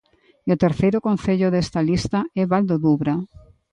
E o terceiro concello desta lista é Val do Dubra.